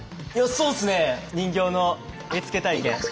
そうですね人形の絵付け体験。